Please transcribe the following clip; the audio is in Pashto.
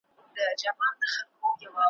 او د غره لمن له لیری ورښکاره سول `